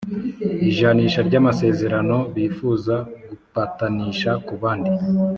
ijanisha ry amasezerano bifuza gupatanisha ku bandi